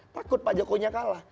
takut pak jokowinya kalah